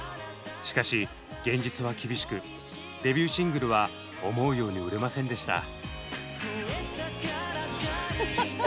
しかし現実は厳しくデビューシングルは思うように売れませんでした。